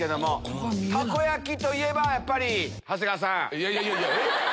いやいやいやいやえっ